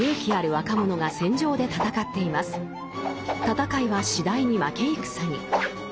戦いは次第に負け戦に。